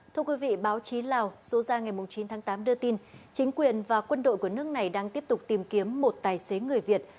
thưa quý vị báo chí lào số ra ngày chín tháng tám đưa tin chính quyền và quân đội của nước này đang tiếp tục tìm kiếm một tài xế người việt